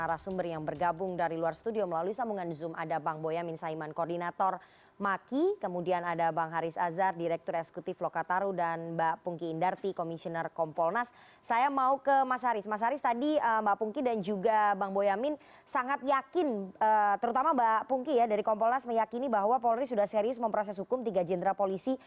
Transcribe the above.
saya sangat yakin terutama mbak pungki ya dari kompolas meyakini bahwa polri sudah serius memproses hukum tiga jenderal polisi